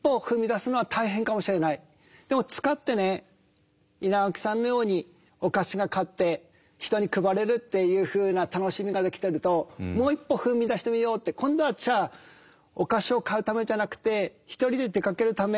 でも使って稲垣さんのようにお菓子が買って人に配れるっていうふうな楽しみができてるともう一歩踏み出してみようって今度はじゃあお菓子を買うためじゃなくて１人で出かけるため。